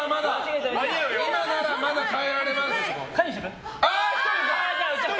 今ならまだ変えられます！